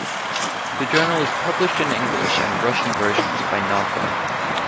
The journal is published in English and Russian versions by Nauka.